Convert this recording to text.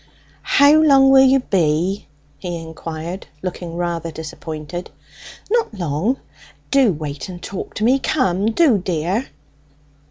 "How long will you be?" he inquired, looking rather disappointed. "Not long. Do wait and talk to me; come, do, dear."